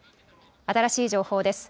新しい情報です。